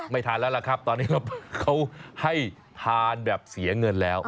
ทานแล้วล่ะครับตอนนี้เขาให้ทานแบบเสียเงินแล้ว